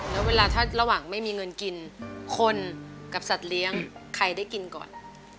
แล้วเวลาถ้าระหว่างไม่มีเงินกินคนกับสัตว์เลี้ยงใครได้กินก่อน